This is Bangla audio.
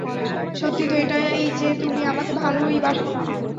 সত্যি তো এটাই যে তুমি আমাকে ভালোই বাসো না!